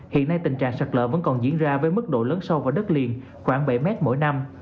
hiện nay tình trạng sạt lở vẫn còn diễn ra với mức độ lớn sâu vào đất liền khoảng bảy mét mỗi năm